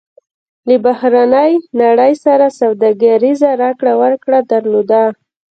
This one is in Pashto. له بهرنۍ نړۍ سره سوداګریزه راکړه ورکړه درلوده.